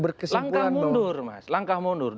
berkesimpulan langkah mundur mas langkah mundur